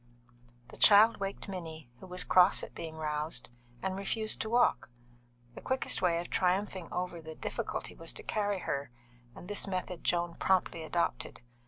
The child waked Minnie, who was cross at being roused, and refused to walk. The quickest way of triumphing over the difficulty was to carry her, and this method Joan promptly adopted.